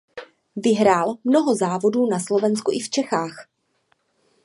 Vyhrál mnoho závodů na Slovensku i v Čechách.